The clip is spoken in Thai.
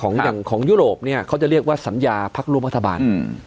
อย่างของยุโรปเนี่ยเขาจะเรียกว่าสัญญาพักร่วมรัฐบาลอืม